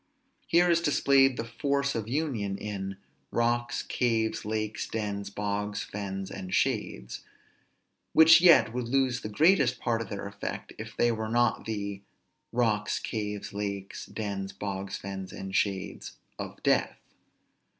Here is displayed the force of union in "Rocks, caves, lakes, dens, bogs, fens, and shades" which yet would lose the greatest part of their effect, if they were not the "Rocks, caves, lakes, dens, bogs, fens, and shades of Death."